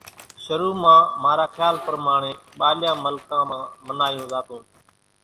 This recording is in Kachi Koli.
شرو مان مارا کيال پرماڻي ٻارليان ملڪان مان منايون زاتون